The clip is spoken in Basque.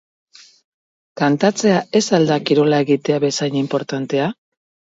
Kantatzea ez al da kirola egitea bezain inportantea?